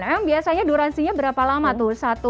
memang biasanya duransinya berapa lama tuh